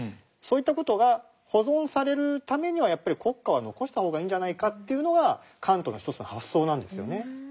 そういった事が保存されるためにはやっぱり国家は残した方がいいんじゃないかというのがカントの一つの発想なんですよね。